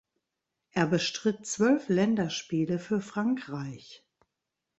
Er bestritt zwölf Länderspiele für Frankreich.